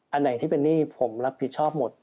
อันไหนที่เป็นหนี้ผมรับผิดชอบหมด